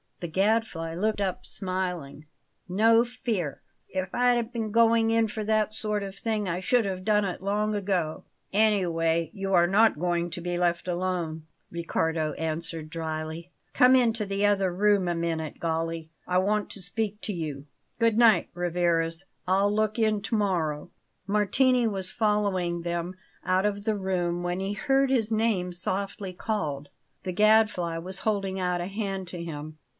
The Gadfly looked up, smiling. "No fear! If I'd been going in for that sort of thing, I should have done it long ago." "Anyway, you are not going to be left alone," Riccardo answered drily. "Come into the other room a minute, Galli; I want to speak to you. Good night, Rivarez; I'll look in to morrow." Martini was following them out of the room when he heard his name softly called. The Gadfly was holding out a hand to him.